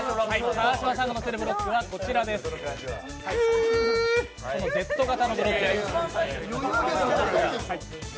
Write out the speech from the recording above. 川島さんがのせるブロックはこちらです、Ｚ型のブロックです。